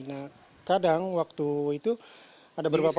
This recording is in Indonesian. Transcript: nah kadang waktu itu ada beberapa